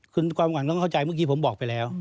คุณความหวังต้องเข้าใจเมื่อกี้ผมบอกไปแล้ว